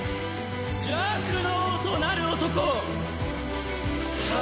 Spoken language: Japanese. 邪悪の王となる男！